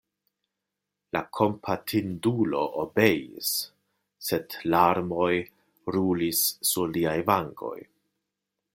La kompatindulo obeis, sed larmoj rulis sur liaj vangoj.